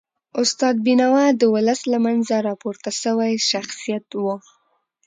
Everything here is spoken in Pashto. استاد بینوا د ولس له منځه راپورته سوی شخصیت و.